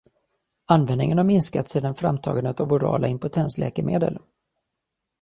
Användningen har minskat sedan framtagandet av orala impotensläkemedel.